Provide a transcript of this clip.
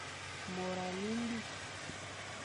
Mor à limbe.